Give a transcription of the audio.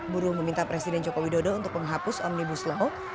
buruh meminta presiden joko widodo untuk menghapus omnibus law